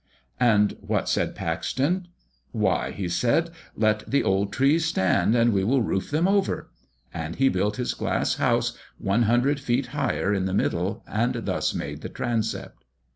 And what said Paxton? Why, he said, "Let the old trees stand, we will roof them over!" and he built his glass house one hundred feet higher in the middle, and thus made the transept.